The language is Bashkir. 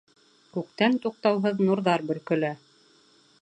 Күктән туҡтауһыҙ нурҙар бөркөлә.